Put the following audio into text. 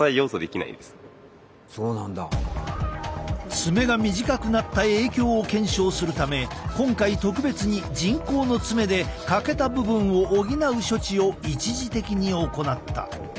爪が短くなった影響を検証するため今回特別に人工の爪で欠けた部分を補う処置を一時的に行った。